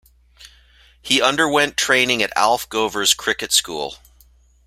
He underwent training at Alf Gover's cricket school.